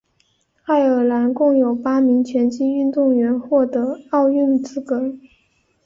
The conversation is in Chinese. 爱尔兰共有八名拳击运动员获得奥运资格。